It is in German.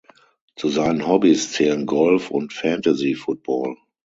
Zu seinen Hobbys zählen Golf und Fantasy Football.